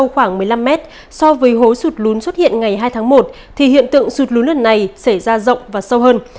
khoảng một mươi năm mét so với hố sụt lún xuất hiện ngày hai tháng một thì hiện tượng sụt lún lần này xảy ra rộng và sâu hơn